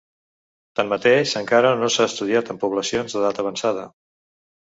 Tanmateix, encara no s'ha estudiat en poblacions d'edat avançada.